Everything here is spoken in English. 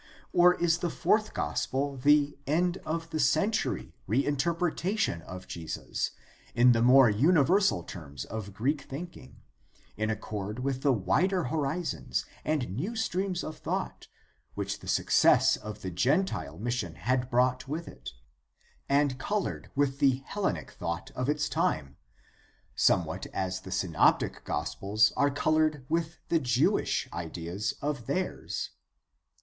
Or is the Fourth Gospel the end of the century reinterpretation of Jesus in the more universal terms of Greek thinking, in accord with the wider horizons and new streams of thought which the success of the gentile mission had brought with it, and colored with the Hellenic thought of its time, somewhat as the Synoptic Gospels are colored with the Jewish ideas of theirs